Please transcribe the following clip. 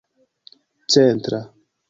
centra